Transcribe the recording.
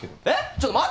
えっ！？